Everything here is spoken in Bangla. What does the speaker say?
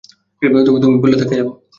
তবে তুমি বললে থেকে যাবো।